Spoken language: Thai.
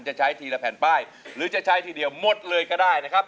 จะใช้ทีละแผ่นป้ายหรือจะใช้ทีเดียวหมดเลยก็ได้นะครับ